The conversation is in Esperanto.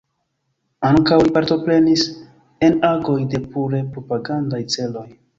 Ankaŭ li partoprenis en agoj de pure propagandaj celoj.